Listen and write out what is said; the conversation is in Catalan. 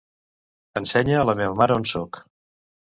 Ensenya a la meva mare on soc.